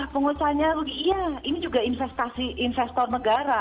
pengusahanya iya ini juga investasi investor negara